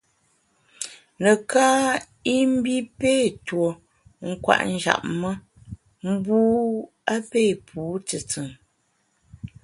Neká i mbi pé tuo kwet njap me, mbu a pé pu tùtùn.